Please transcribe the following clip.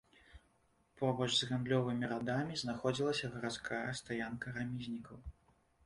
Побач з гандлёвымі радамі знаходзілася гарадская стаянка рамізнікаў.